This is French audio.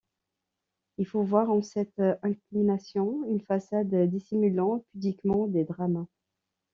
Il faut voir en cette inclination une façade dissimulant pudiquement des drames.